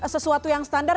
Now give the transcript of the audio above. sesuatu yang standar